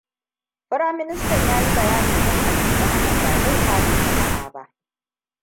Firaministan ya yi bayani kan almundahanar ba zai kare jama'a ba.